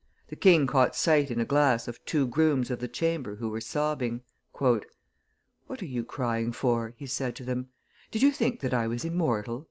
The king caught sight in a glass of two grooms of the chamber who were sobbing. "What are you crying for?" he said to them; "did you think that I was immortal?"